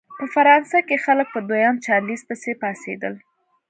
په فرانسه کې خلک په دویم چارلېز پسې پاڅېدل.